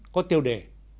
có tiêu đề